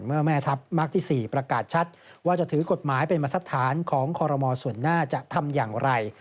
แม่ทัพมากที่๔ประกาศชัดว่าจะถือกฎหมายเป็นมาตรฐานของคอรมอลส่วนหน้าจะทำอย่างไร